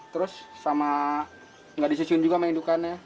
terus sama nggak disusun juga sama indukannya